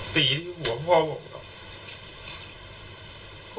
ตีหัวพ่อ